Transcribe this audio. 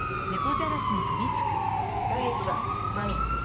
ダイエットだマミ。